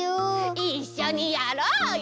いっしょにやろうよ！